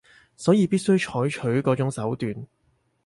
所以必須採取嗰種手段